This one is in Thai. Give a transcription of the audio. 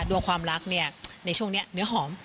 ความรักเนี่ยในช่วงนี้เนื้อหอม